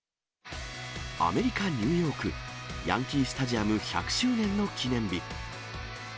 アメリカ・ニューヨーク、ヤンキースタジアムが開場して１００周年の記念日。